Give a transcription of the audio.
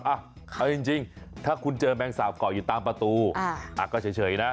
เอาจริงถ้าคุณเจอแมงสาบเกาะอยู่ตามประตูก็เฉยนะ